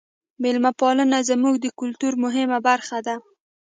میلمه پالنه زموږ د کلتور مهمه برخه ده.